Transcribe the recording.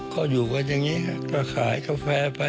ก็อยู่กันอย่างนี้ก็ขายกาแฟไป